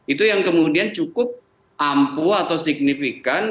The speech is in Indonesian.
itu yang kemudian cukup ampuh atau signifikan